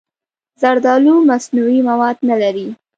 زردالو مصنوعي مواد نه لري.